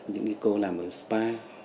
những cô làm ở spa